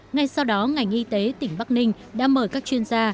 ngay sau đó ngành y tế tỉnh bắc ninh đã mời các chuyên gia